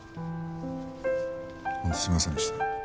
本当すいませんでした。